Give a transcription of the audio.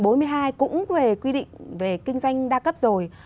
cũng về quy định về kinh doanh đa cấp rồi